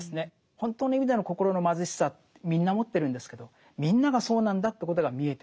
本当の意味での心の貧しさってみんな持ってるんですけどみんながそうなんだということが見えてくる。